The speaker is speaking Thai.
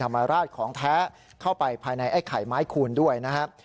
ไม้คูณด้วยนะครับ